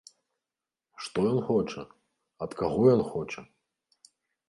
Што ён хоча, ад каго ён хоча?